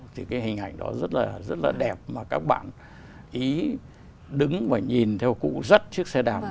thì cái hình ảnh đó rất là rất là đẹp mà các bạn ý đứng và nhìn theo cụ dắt chiếc xe đạp